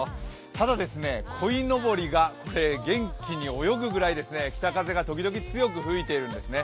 ただ、こいのぼりが元気に泳ぐぐらい北風が時々強く吹いてるんですね。